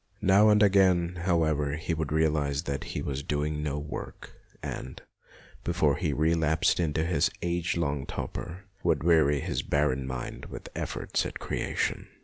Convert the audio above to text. Now and again, however, he would realize that he was doing no work, and, before he relapsed into his age long torpor, would weary his barren mind with efforts at 254 MONOLOGUES creation.